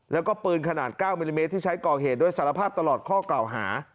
แล้วก็ปืนขนาด๙มิลลิเมตรที่ใช้ก่อเหตุด้วยสารภาพตลอดข้อกล่าวหา